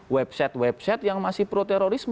website website yang masih pro terorisme